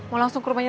tati aku mau ke rumah